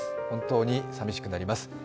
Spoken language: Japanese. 本当にさみしくなります。